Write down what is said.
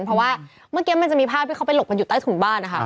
เพราะว่าเมื่อกี้มันจะมีภาพที่เขาไปหลบกันอยู่ใต้ถุนบ้านนะคะ